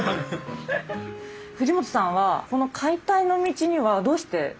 藤本さんはこの解体の道にはどうして？